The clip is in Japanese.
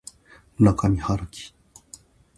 村上春樹